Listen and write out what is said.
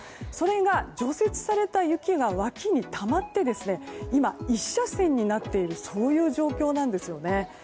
それが除雪された雪が脇にたまって今、１車線になっている状況なんです。